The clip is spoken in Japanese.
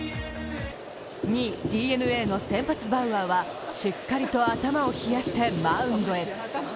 ２位・ＤｅＮＡの先発・バウアーはしっかりと頭を冷やしてマウンドへ。